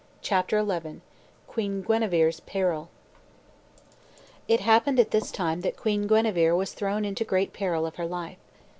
'" CHAPTER XI QUEEN GUENEVER'S PERIL It happened at this time that Queen Guenever was thrown into great peril of her life.